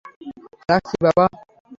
রাখছি, বাবা।